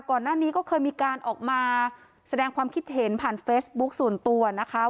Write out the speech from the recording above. ก่อนหน้านี้ก็เคยมีการออกมาแสดงความคิดเห็นผ่านเฟซบุ๊คส่วนตัวนะคะ